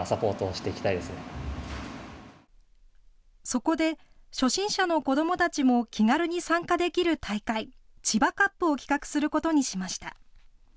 そこで初心者の子どもたちも気軽に参加できる大会、ＣＨＩＢＡＣＵＰを企画することにしました。